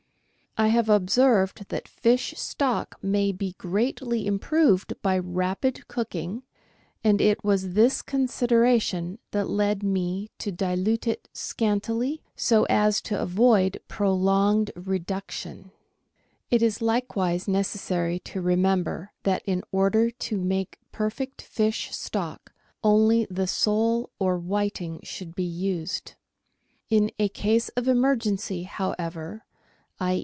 I have observed that fish stock may be greatly improved by rapid cooking, and it was this considera tion that led me to dilute it scantily, so as to avoid prolonged reduction. 12 GUIDE TO MODERN COOKERY It is likewise necessary to remember that in order to make perfect fish stock, only the sole or whiting should be used. In a case of emergency, however, i.